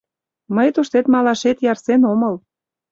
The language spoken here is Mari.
— Мый туштет малашет ярсен омыл.